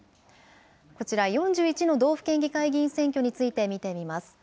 こちら、４１の道府県議会議員選挙について見てみます。